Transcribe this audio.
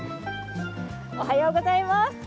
おはようございます。